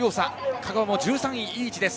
香川も１３位でいい位置です。